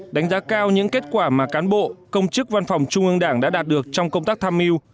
đánh giá cao những kết quả mà cán bộ công chức văn phòng trung ương đảng đã đạt được trong công tác tham mưu